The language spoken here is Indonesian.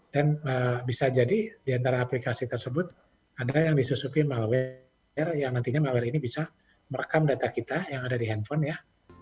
dan bisa jadi di antara aplikasi tersebut ada yang disusupi malware yang nantinya malware ini bisa merekam data kita yang ada di handphone ya